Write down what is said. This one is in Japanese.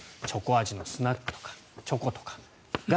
チョコ味のスナックとかチョコとか。